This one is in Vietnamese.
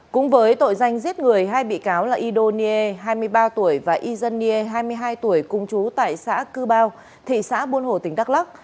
cùng với tội danh giết người hai bị cáo là ido nie hai mươi ba tuổi và izan nie hai mươi hai tuổi cung chú tại xã cư bao thị xã buôn hồ tỉnh đắk lóc